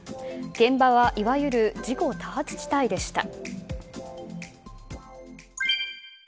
現場はいわゆる事故多発地帯でした。